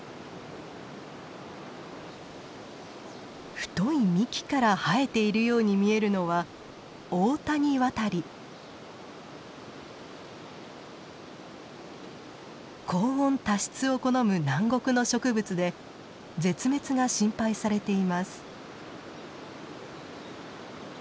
太い幹から生えているように見えるのは高温多湿を好む南国の植物で絶滅が心配されています。